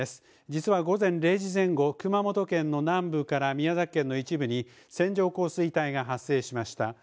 実は午前０時前後、熊本県の南部から宮崎県の一部に線状降水帯が発生しました。